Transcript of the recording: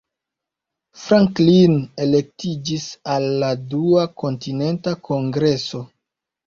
Franklin elektiĝis al la Dua Kontinenta Kongreso.